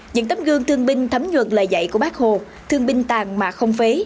những tấm gương thương binh thấm nhuận lời dạy của bác hồ thương binh tàn mà không phế